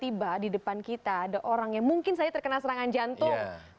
tapi kalau misalnya tiba tiba di depan kita ada orang yang mungkin saja terkena serangan jantung